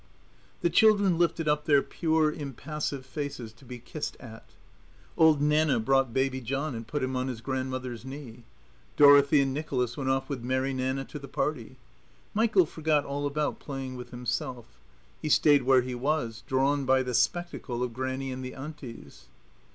The children lifted up their pure, impassive faces to be kissed at. Old Nanna brought Baby John and put him on his grandmother's knee. Dorothy and Nicholas went off with Mary Nanna to the party. Michael forgot all about playing with himself. He stayed where he was, drawn by the spectacle of Grannie and the Aunties.